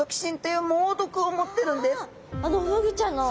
あのフグちゃんの毒。